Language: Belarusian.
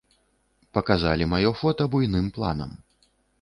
Паказалі маё фота буйным планам.